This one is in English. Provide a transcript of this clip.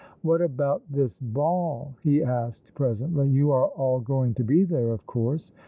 ^' What about this ball ?" he asked presently. "You are all going to be there, of course